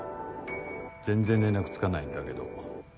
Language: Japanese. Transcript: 全然連絡つかないんだけど。